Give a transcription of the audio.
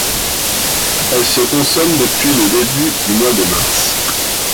Elle se consomme depuis le début du mois de mars.